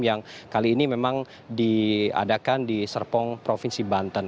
yang kali ini memang diadakan di serpong provinsi banten